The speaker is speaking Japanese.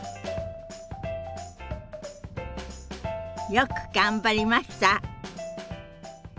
よく頑張りました。